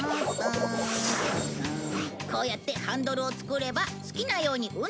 こうやってハンドルを作れば好きなように運転もできるんだ。